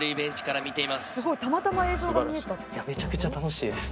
めちゃくちゃ楽しいです。